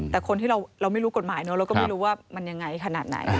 แต่คนที่เราไม่รู้กฎหมายเนอะเราก็ไม่รู้ว่ามันยังไงขนาดไหน